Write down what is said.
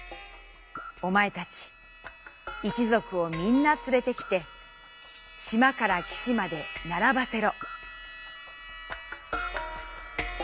おまえたち一ぞくをみんなつれてきて島からきしまでならばせろ」。